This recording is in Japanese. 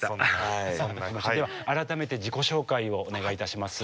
では改めて自己紹介をお願いいたします。